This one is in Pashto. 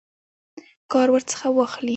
کار ورڅخه واخلي.